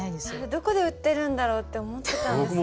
どこで売ってるんだろうって思ってたんです。